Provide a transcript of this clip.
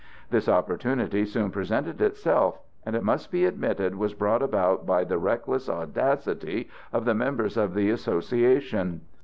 This opportunity soon presented itself and, it must be admitted, was brought about by the reckless audacity of the members of the association.